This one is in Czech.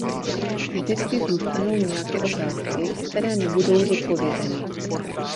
Vždycky zůstanou nějaké otázky, které nebudou zodpovězeny.